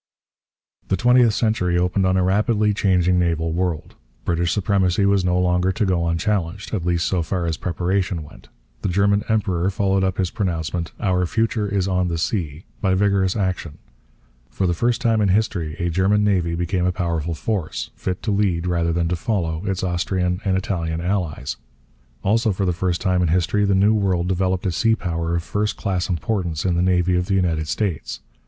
The twentieth century opened on a rapidly changing naval world. British supremacy was no longer to go unchallenged, at least so far as preparation went. The German Emperor followed up his pronouncement, 'Our future is on the sea,' by vigorous action. For the first time in history a German navy became a powerful force, fit to lead, rather than to follow, its Austrian and Italian allies. Also for the first time in history the New World developed a sea power of first class importance in the navy of the United States.